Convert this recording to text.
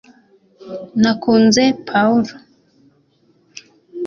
nakunze pawulo